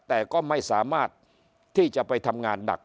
แต่ก็ไม่สามารถที่จะไปทำงานหนัก